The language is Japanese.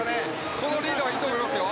このリードはいいと思いますよ。